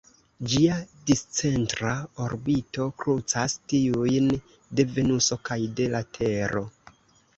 Ĝia discentra orbito krucas tiujn de Venuso kaj de la Tero.